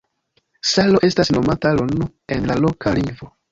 Salo estas nomata "Lun" en la loka lingvo.